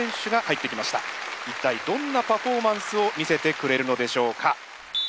一体どんなパフォーマンスを見せてくれるのでしょうか。